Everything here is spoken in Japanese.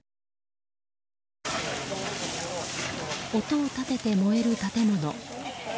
音を立てて燃える建物。